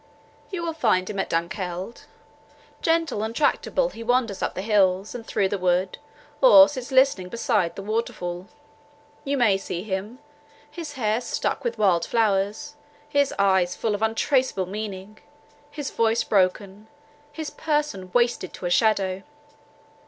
You will find him at Dunkeld; gentle and tractable he wanders up the hills, and through the wood, or sits listening beside the waterfall. You may see him—his hair stuck with wild flowers —his eyes full of untraceable meaning—his voice broken—his person wasted to a shadow.